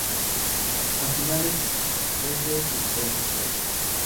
El final es de suspense.